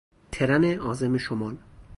ترن عازم شمال